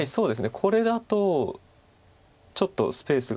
これだとちょっとスペースが。